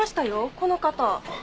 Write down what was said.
この方。